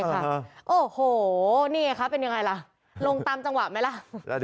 โอ้โหนี่ไงคะเป็นยังไงล่ะลงตามจังหวะไหมล่ะ